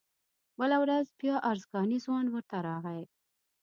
بله ورځ بیا ارزګانی ځوان ورته راغی.